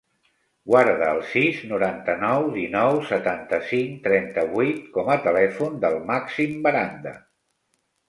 Guarda el sis, noranta-nou, dinou, setanta-cinc, trenta-vuit com a telèfon del Màxim Baranda.